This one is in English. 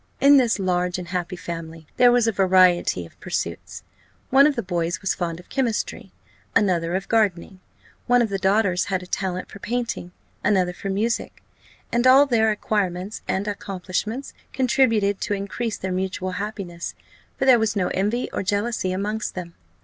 In this large and happy family there was a variety of pursuits. One of the boys was fond of chemistry, another of gardening; one of the daughters had a talent for painting, another for music; and all their acquirements and accomplishments contributed to increase their mutual happiness, for there was no envy or jealousy amongst them.